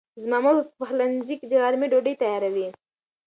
زما مور په پخلنځي کې د غرمې ډوډۍ تیاروي.